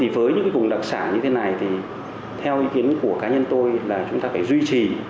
với những vùng đặc sản như thế này thì theo ý kiến của cá nhân tôi là chúng ta phải duy trì